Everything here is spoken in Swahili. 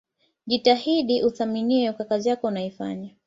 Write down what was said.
Jitahidi uthaminiwe kwa kazi yako unayoifanya